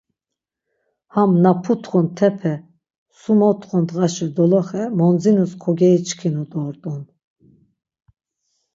Ham na putxun tepe, sumotxo ndğaşi doloxe mondzinus kogeiçkinu dort̆un.